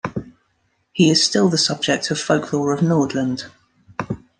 He is still the subject of folklore of Nordland.